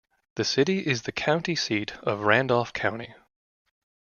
The city is the county seat of Randolph County.